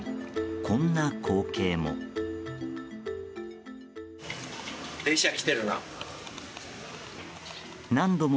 こんな光景も。